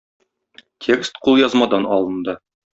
Текст кулъязмадан алынды.